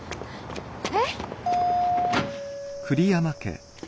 えっ？